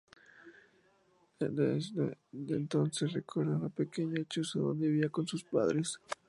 De entonces recuerda una pequeña choza donde vivía con sus padres.